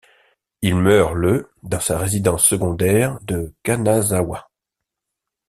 Il meurt le dans sa résidence secondaire de Kanazawa.